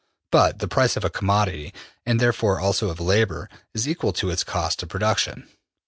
But the price of a commodity, and therefore also of labor, is equal to its cost of production.